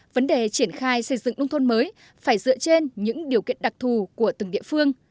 vấn đề triển khai xây dựng nông thôn mới phải dựa trên những điều kiện đặc thù của từng địa phương